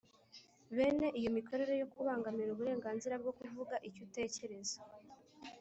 bene iyo mikorere yo kubangamira uburenganzira bwo kuvuga icyo utekereza